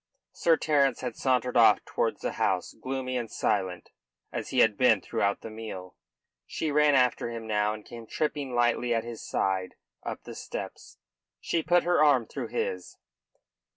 Sir Terence had sauntered off towards the house, gloomy and silent as he had been throughout the meal. She ran after him now, and came tripping lightly at his side up the steps. She put her arm through his.